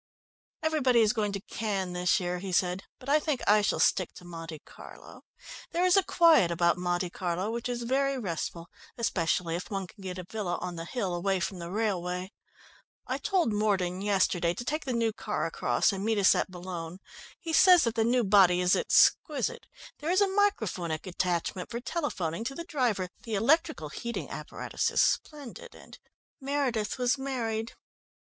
"Everybody is going to Cannes this year," he said, "but I think I shall stick to Monte Carlo. There is a quiet about Monte Carlo which is very restful, especially if one can get a villa on the hill away from the railway. I told Morden yesterday to take the new car across and meet us at Boulogne. He says that the new body is exquisite. There is a micraphonic attachment for telephoning to the driver, the electrical heating apparatus is splendid and " "Meredith was married."